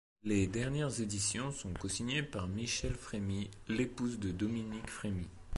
Les dernières éditions sont cosignées par Michèle Frémy, l'épouse de Dominique Frémy.